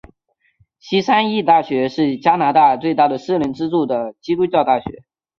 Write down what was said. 西三一大学是加拿大最大的私人资助的基督教大学。